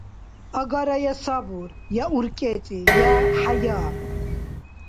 Агара я сабур, я уркӀецӀи, я хӀяя.